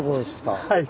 はい。